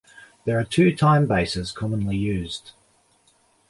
There are two time bases commonly used.